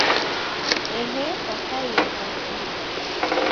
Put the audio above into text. Ehe kwakaiya kavui